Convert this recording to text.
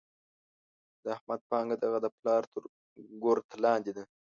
د احمد پانګه د هغه د پلار تر ګورت لاندې ده.